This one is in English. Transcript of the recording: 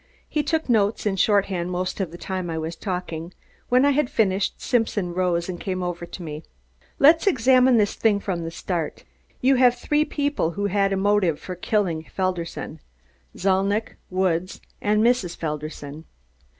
He took notes in shorthand most of the time I was talking. When I had finished, Simpson rose and came over to me. "Let's examine this thing from the start. You have three people who had a motive for killing Felderson Zalnitch, Woods and Mrs. Felderson.